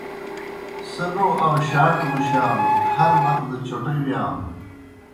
سہ لو آؤشاٹوْ مُشانوْ ہر وخ دہ چوٹہ وِیانوْ۔